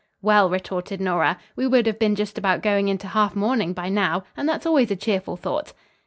"Well," retorted Nora, "we would have been just about going into half mourning, by now, and that's always a cheerful thought."